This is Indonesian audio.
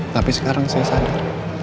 tapi sekarang saya sadar